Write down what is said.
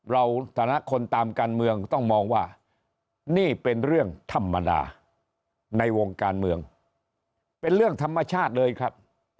ในฐานะคนตามการเมืองต้องมองว่านี่เป็นเรื่องธรรมดาในวงการเมืองเป็นเรื่องธรรมชาติเลยครับ